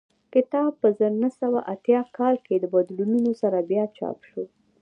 کتاب په زر نه سوه اتیا کال کې له بدلونونو سره بیا چاپ شو